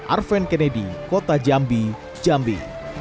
arven kennedy kota jambi jambi